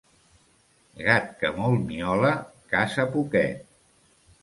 Gat que molt miola, caça poquet.